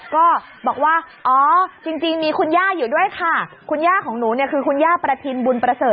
ก็บอกว่าอ๋อจริงมีคุณย่าอยู่ด้วยค่ะคุณย่าของหนูเนี่ยคือคุณย่าประทินบุญประเสริ